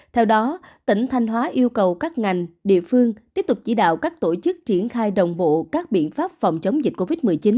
theo đó tỉnh thanh hóa yêu cầu các ngành địa phương tiếp tục chỉ đạo các tổ chức triển khai đồng bộ các biện pháp phòng chống dịch covid một mươi chín